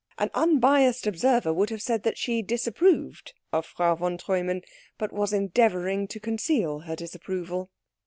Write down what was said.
An unbiassed observer would have said that she disapproved of Frau von Treumann, but was endeavouring to conceal her disapproval.